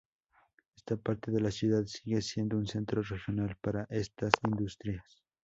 Esta parte de la ciudad sigue siendo un centro regional para estas industrias.